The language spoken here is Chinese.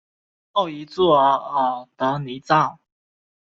后移驻额尔德尼召。